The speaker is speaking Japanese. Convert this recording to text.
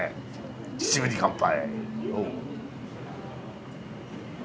秩父に乾杯！